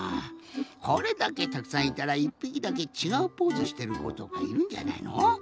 これだけたくさんいたら１ぴきだけちがうポーズしてることかいるんじゃないの？